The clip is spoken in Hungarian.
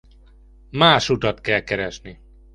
Más utat kell keresni!